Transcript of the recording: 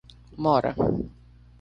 mora